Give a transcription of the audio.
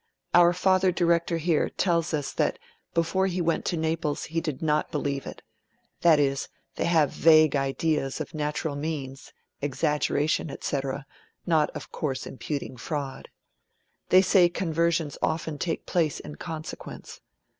Our father director here tells us that before he went to Naples he did not believe it. That is, they have vague ideas of natural means, exaggeration, etc., not of course imputing fraud. They say conversions often take place in consequence.